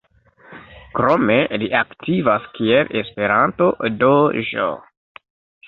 Krome li aktivas kiel Esperanto-DĴ.